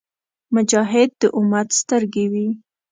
مجاهد د امت سترګې وي.